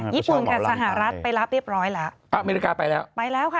ญี่ปุ่นกับสหรัฐไปรับเรียบร้อยแล้วอเมริกาไปแล้วไปแล้วค่ะ